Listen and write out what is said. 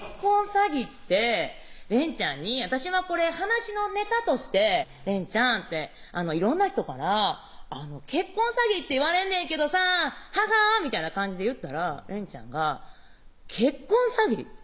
詐欺って連ちゃんに私はこれ話のネタとして「連ちゃん色んな人から結婚詐欺って言われんねんけどさハみたいな感じで言ったら連ちゃんが「結婚詐欺？」